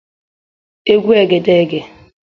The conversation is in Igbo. egwu egedege